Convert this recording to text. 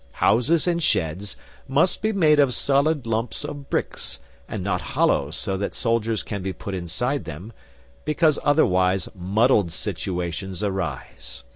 Houses and sheds must be made of solid lumps of bricks, and not hollow so that soldiers can be put inside them, because otherwise muddled situations arise.